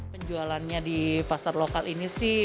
penjualannya di pasar lokal ini sih